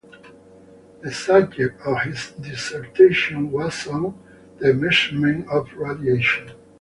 The subject of his dissertation was on the measurement of radiation.